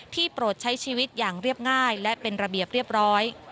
โปรดใช้ชีวิตอย่างเรียบง่ายและเป็นระเบียบเรียบร้อย